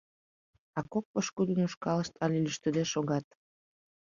А кок пошкудын ушкалышт але лӱштыде шогат.